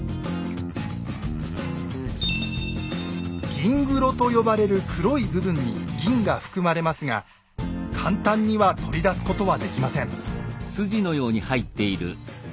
「銀黒」と呼ばれる黒い部分に銀が含まれますが簡単には取り出すことはできません。